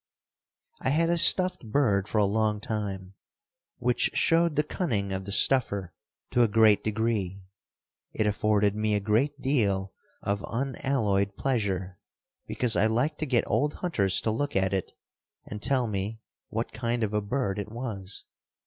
I had a stuffed bird for a long time, which showed the cunning of the stuffer to a great degree. It afforded me a great deal of unalloyed pleasure, because I liked to get old hunters to look at it and tell me what kind of a bird it was.